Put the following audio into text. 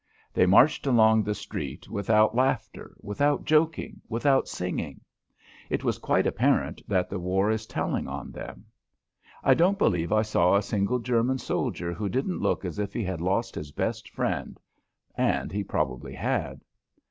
They marched along the street without laughter, without joking, without singing. It was quite apparent that the war is telling on them. I don't believe I saw a single German soldier who didn't look as if he had lost his best friend and he probably had.